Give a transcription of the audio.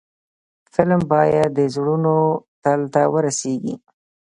فلم باید د زړونو تل ته ورسیږي